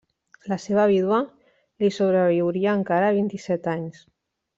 La seva vídua li sobreviuria encara vint-i-set anys.